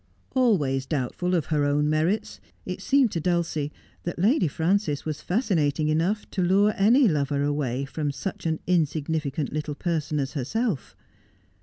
Always doubtful of her own merits, it seemed to Dulcie that Lady Frances was fascinating enough to lure any lover away from such an insignificant little person as herself.